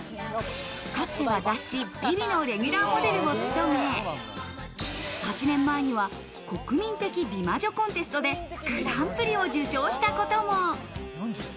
かつて雑誌『ＶｉＶｉ』のレギュラーモデルも務め、８年前には国民的美魔女コンテストでグランプリを受賞したことも。